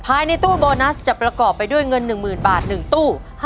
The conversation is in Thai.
ภายในตู้โบนัสจะประกอบไปด้วยเงิน๑๐๐๐บาท๑ตู้